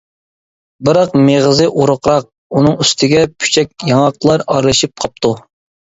بىراق مېغىزى ئورۇقراق، ئۇنىڭ ئۈستىگە، پۇچەك ياڭاقلار ئارىلىشىپ قاپتۇ.